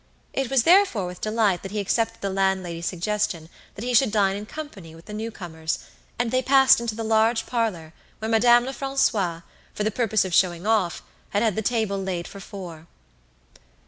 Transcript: It was therefore with delight that he accepted the landlady's suggestion that he should dine in company with the newcomers, and they passed into the large parlour where Madame Lefrancois, for the purpose of showing off, had had the table laid for four.